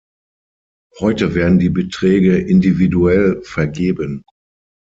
Heute werden die Beträge individuell vergeben.